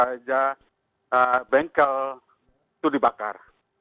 saja bengkel itu dibakar